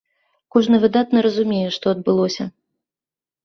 Кожны выдатна разумее, што адбылося.